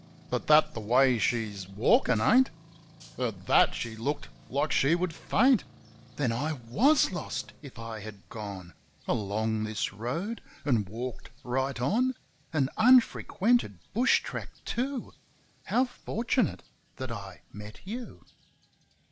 But that the way she's walkin' ain't. At that she looked like she would faint. "Then I was lost if I had gone Along this road an' walked right on — An unfrequented bush track, too! How fortunate that I met you